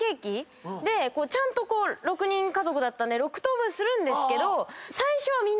ちゃんと６人家族だったんで６等分するんですけど。